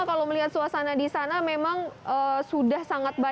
kalau melihat suasana di sana memang sudah sangat baik